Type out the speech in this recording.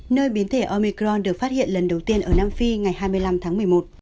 nơi biến thể omicron được phát hiện lần đầu tiên ở nam phi ngày hai mươi năm tháng một mươi một